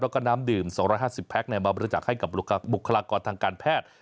แล้วก็น้ำดื่ม๒๕๐แพ็คมาบริจาคให้กับบุคลากรทางการแพทย์